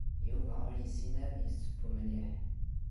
Yuba ur yessin ara ad yesseww mliḥ.